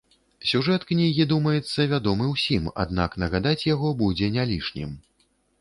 Сюжэт кнігі, думаецца, вядомы ўсім, аднак нагадаць яго будзе не лішнім.